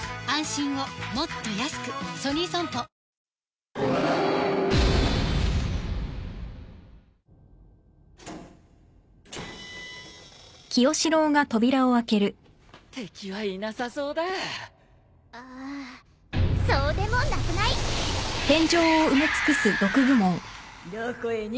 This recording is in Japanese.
あっそうでもなくない？